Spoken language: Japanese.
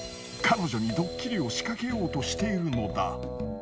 彼女にドッキリをしかけようとしているのだ。